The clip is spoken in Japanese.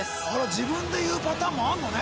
自分で言うパターンもあんのね